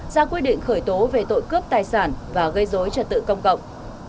ra quyết định khởi tố về tội cướp tài sản và gây dối trật tự công cộng